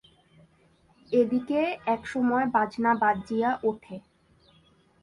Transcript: এদিকে একসময় বাজনা বাজিয়া ওঠে।